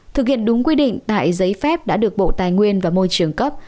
thực hiện đúng quy định tại giấy phép đã được bộ tài nguyên và môi trường cấp